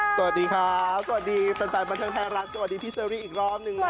สวัสดีครับสวัสดีแฟนบันเทิงไทยรัฐสวัสดีพี่เชอรี่อีกรอบหนึ่งนะครับ